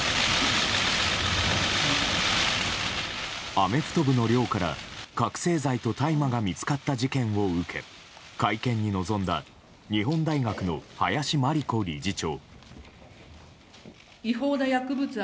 アメフト部の寮から、覚醒剤と大麻が見つかった事件を受け会見に臨んだ日本大学の林真理子理事長。